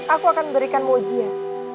aku akan berikanmu ujian